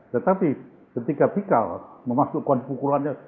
tetapi ketika pikal memasukkan pukulannya